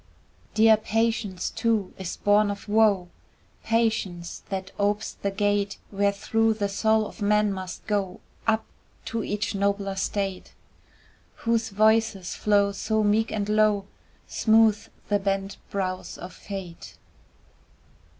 Dear Patience, too, is born of woe, Patience that opes the gate Wherethrough the soul of man must go Up to each nobler state, Whose voice's flow so meek and low Smooths the bent brows of Fate.